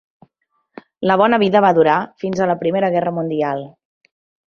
La bona vida va durar fins a la Primera Guerra Mundial.